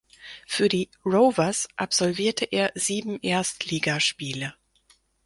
Für die "Rovers" absolvierte er sieben Erstligaspiele.